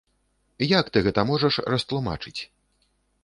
Як ты гэта можаш растлумачыць?